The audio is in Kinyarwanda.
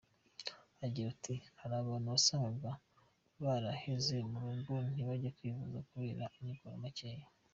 Agira ati “Hari abantu wasangaga baraheze mu rugo, ntibajye kwivuza kubera amikoro makeya.